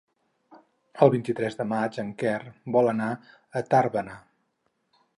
El vint-i-tres de maig en Quer vol anar a Tàrbena.